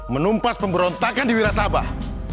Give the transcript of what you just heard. menumpas pemberontakan di wirasabah